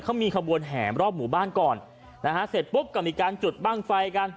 เขามีขบวนแห่รอบหมู่บ้านก่อนนะฮะเสร็จปุ๊บก็มีการจุดบ้างไฟกัน